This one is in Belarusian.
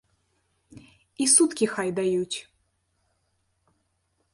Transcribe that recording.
І суткі хай даюць.